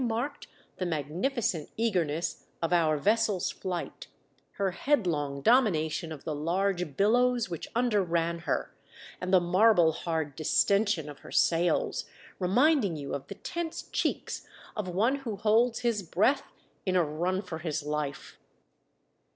27 marked the magnificent eagerness of our vessel's flight — her headlono domination of the large billows which underran her, and the marble hard distention of her sails, reminding you of the tense cheeks of one who holds his breath in a run for his life.